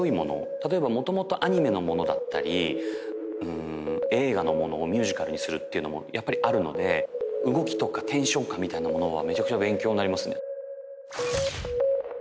たとえばもともとアニメのものだったり映画のものをミュージカルにするっていうのもやっぱりあるので動きとかテンション感みたいなものはめちゃくちゃ勉強になりますね